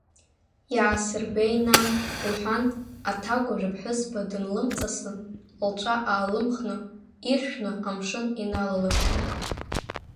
Иаасырбеи, нан, — лҳәан, аҭакәажә аԥҳәызба дынлымҵасын, лҵәа аалымхны, иршәны амшын иналалыршәит.